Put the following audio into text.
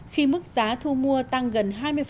khi mức giá thu mua tăng gần hai mươi